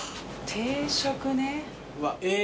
定食ね。